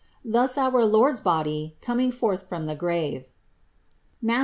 Thus our Lord's body, coming forth from the grave (Matth.